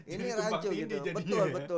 ini rancu gitu